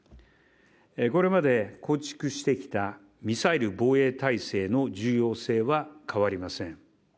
これまで構築してきたミサイル防衛体制の重要性は変わりません。